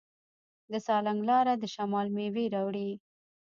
د سالنګ لاره د شمال میوې راوړي.